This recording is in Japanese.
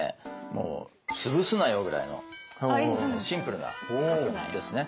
もう「つぶすなよ」ぐらいのシンプルなやつですね。